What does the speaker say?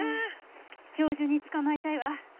今日中に捕まえたいわ。